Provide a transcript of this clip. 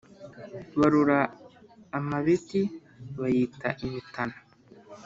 Barora amabeti, bayita imitana;